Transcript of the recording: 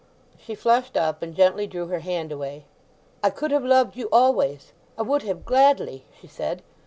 She flushed up, and gently drew her hand away. "I could have loved you always—I would have, gladly," she said.